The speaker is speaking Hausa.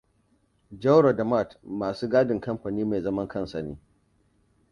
Jauro da Matt masu gadin kamfani mai zaman kansa ne.